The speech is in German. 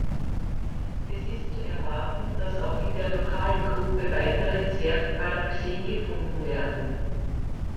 Es ist zu erwarten, dass auch in der Lokalen Gruppe weitere Zwerggalaxien gefunden werden.